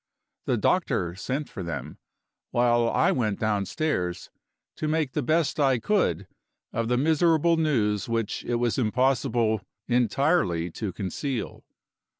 The doctor sent for them, while I went downstairs to make the best I could of the miserable news which it was impossible entirely to conceal.